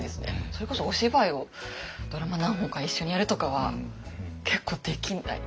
それこそお芝居をドラマ何本か一緒にやるとかは結構できない。